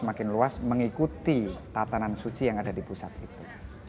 makin luas mengikuti tatanan suci yang ada di pusat itu